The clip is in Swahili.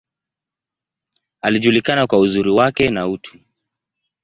Alijulikana kwa uzuri wake, na utu.